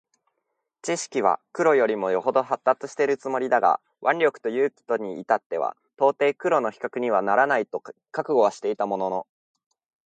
智識は黒よりも余程発達しているつもりだが腕力と勇気とに至っては到底黒の比較にはならないと覚悟はしていたものの、